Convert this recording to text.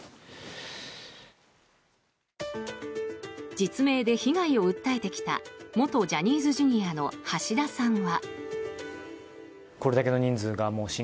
実名で被害を訴えてきた元ジャニーズＪｒ．の橋田さんは。